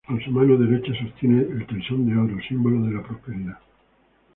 En su mano derecha sostiene el Toisón de Oro, símbolo de la prosperidad.